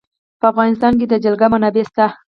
په افغانستان کې د جلګه منابع شته.